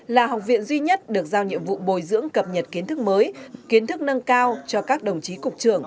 là học viện duy nhất được giao nhiệm vụ bồi dưỡng cập nhật kiến thức mới kiến thức nâng cao cho các đồng chí cục trưởng